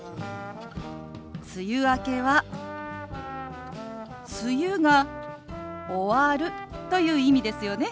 「梅雨明け」は「梅雨が終わる」という意味ですよね？